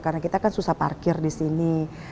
karena kita kan susah parkir di sini